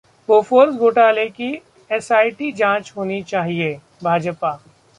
Bofors घोटाले की SIT जांच होनी चाहिए: भाजपा